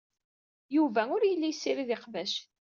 Yuba ur yelli yessirid iqbac.